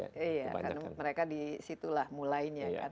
iya mereka disitulah mulainya